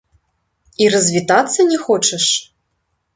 І развітацца не хочаш?